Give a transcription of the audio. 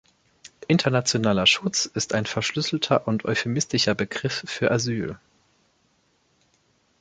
Internationaler Schutz ist ein verschlüsselter und euphemistischer Begriff für Asyl.